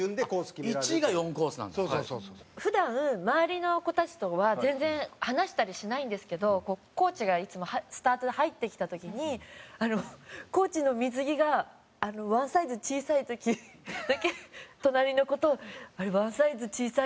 普段周りの子たちとは全然話したりしないんですけどコーチがいつもスタートで入ってきた時にコーチの水着がワンサイズ小さい時だけ隣の子と「あれワンサイズ小さいよね」